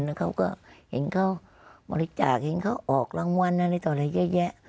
แล้วเขาก็เห็นเขาบริจาคเห็นเขาออกรางวัลอะไรต่ออะไรเยอะแยะ